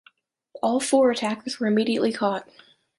All four attackers were immediately caught.